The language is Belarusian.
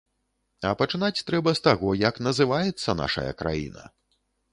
А пачынаць трэба з таго, як называецца нашая краіна.